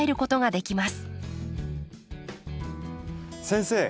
先生